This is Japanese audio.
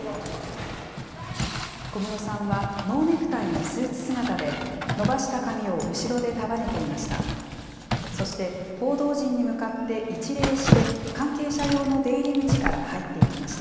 小室さんはノーネクタイのスーツ姿で、伸ばした髪を後ろで束ねていました。